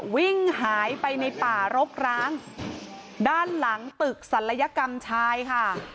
วิ่งหายไปในป่ารกร้างด้านหลังตึกศัลยกรรมชายค่ะ